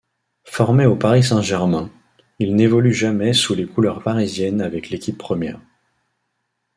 Formé au Paris Saint-Germain, il n'évolue jamais sous les couleurs parisiennes avec l'équipe première.